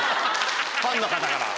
ファンの方から。